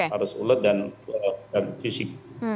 harus ulet dan fisik